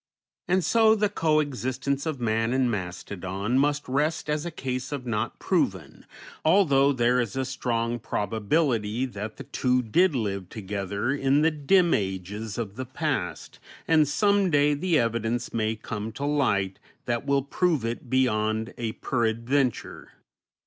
And so the co existence of man and mastodon must rest as a case of not proven, although there is a strong probability that the two did live together in the dim ages of the past, and some day the evidence may come to light that will prove it beyond a peradventure.